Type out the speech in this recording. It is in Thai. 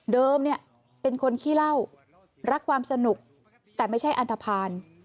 เป็นคนขี้เหล้ารักความสนุกแต่ไม่ใช่อันทภาณ